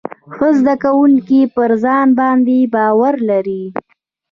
ښه زده کوونکي پر ځان باندې باور لري.